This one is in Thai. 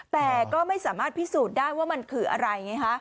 แต่ก็ไม่สามารถพิสูจน์ได้ว่ามันคืออะไรไงฮะ